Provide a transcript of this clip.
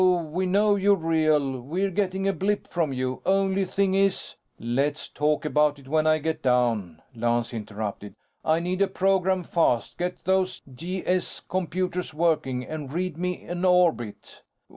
We know you're real. We're getting a blip from you. Only thing is " "Let's talk about it when I get down," Lance interrupted. "I need a program fast. Get those G.S. computers working and read me an orbit."